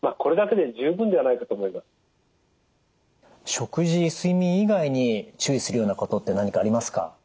食事睡眠以外に注意するようなことって何かありますか？